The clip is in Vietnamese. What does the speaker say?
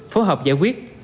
phối hợp giải quyết